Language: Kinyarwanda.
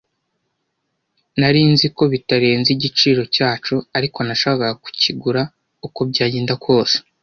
Nari nzi ko bitarenze igiciro cyacu, ariko nashakaga kukigura uko byagenda kose.